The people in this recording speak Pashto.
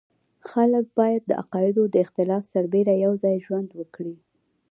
خلک باید د عقایدو د اختلاف سربېره یو ځای ژوند وکړي.